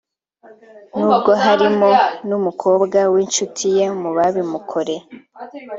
n’ubwo harimo n’umukobwa w’inshuti ye mu babimukoreye